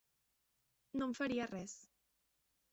No em faria res.